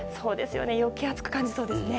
余計暑く感じそうですね。